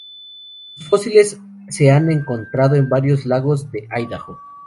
Sus fósiles se han encontrado en varios lagos de Idaho.